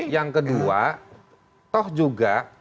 yang kedua toh juga